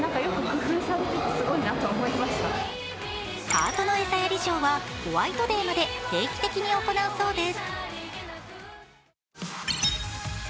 ハートの餌やりショーはホワイトデーまで定期的に行うそうです。